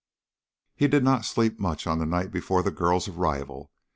He did not sleep much on the night before the girl's arrival.